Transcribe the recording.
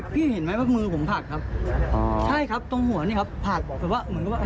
เค้ารู้คนหมดแหละ